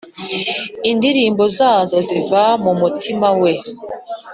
indirimbo zazo ziva mu mutima we,